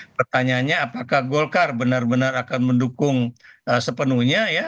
pertanyaannya apakah golkar benar benar akan mendukung sepenuhnya ya